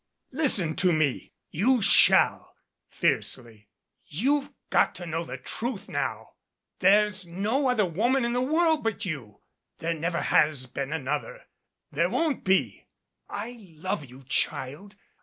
"Listen to me. You shall," fiercely. "You've got to know the truth now. There's no other woman in the world but you. There never has been another. There won't be. I love you, child.